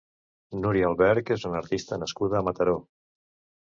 Núria Alberch és una artista nascuda a Mataró.